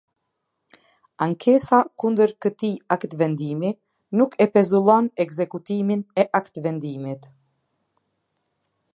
Ankesa kundër këtij aktvendimi, nuk e pezullon ekzekutimin e aktvendimit.